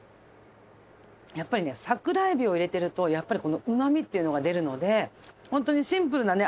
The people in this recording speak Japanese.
やっぱりね桜えびを入れてるとやっぱりこのうまみっていうのが出るのでホントにシンプルなね